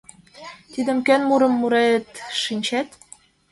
Тидым кӧн мурым мурет, шинчет?